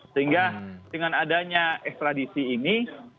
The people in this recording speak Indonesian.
sehingga dengan adanya ekstradisi ini